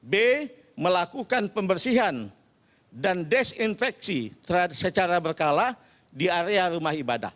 b melakukan pembersihan dan desinfeksi secara berkala di area rumah ibadah